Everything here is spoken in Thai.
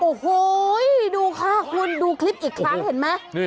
โอ้โหดูค่ะคุณดูคลิปอีกครั้งเห็นไหม